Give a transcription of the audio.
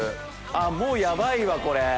あもうヤバいわこれ！